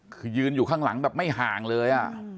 คือยืนอยู่ข้างหลังแบบไม่ห่างเลย